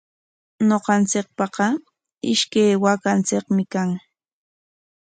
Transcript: Ñuqanchikpaqa ishkay waakanchikmi kan.